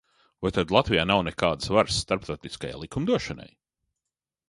Vai tad Latvijā nav nekādas varas starptautiskajai likumdošanai?